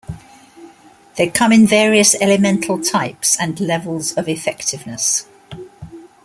They come in various elemental types and levels of effectiveness.